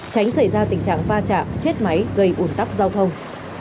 tránh xảy ra tình trạng va chạm chết máy gây ủn tắc giao thông